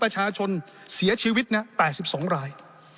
ประชาชนเสียชีวิต๘๒ราย